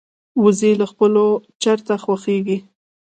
وزې له خپلو چرته خوښيږي